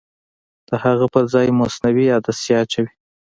د هغه پرځای مصنوعي عدسیه اچوي.